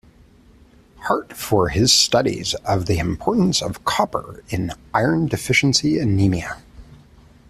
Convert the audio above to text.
Hart for his studies of the importance of copper in iron-deficiency anemia.